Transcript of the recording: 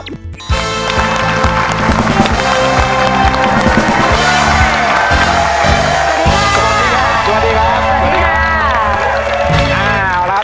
สวัสดีครับ